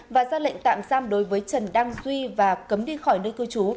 và ra lệnh tạm giam đối với trần đăng duy và cấm đi khỏi nơi cư trú